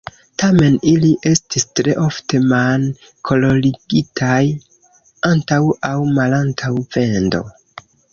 Tamen, ili estis tre ofte man-kolorigitaj antaŭ aŭ malantaŭ vendo.